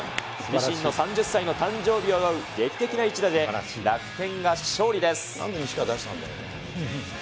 自身の３０歳の誕生日を祝う劇的な一打で、楽天が勝利です。